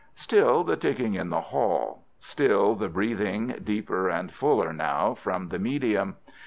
Still the ticking in the hall. Still the breathing, deeper and fuller now, from the medium.